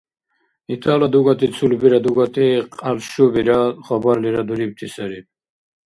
Итала дугати цулбира дугати кьялшубира хабарлира дурибти сари